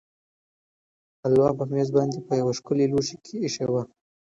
هلوا په مېز باندې په یوه ښکلي لوښي کې ایښې وه.